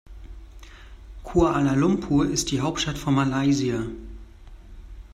Kuala Lumpur ist die Hauptstadt von Malaysia.